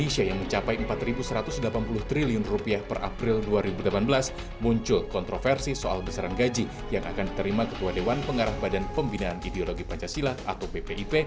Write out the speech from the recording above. soal besaran gaji yang akan diterima ketua dewan pengarah badan pembinaan ideologi pancasila atau bpip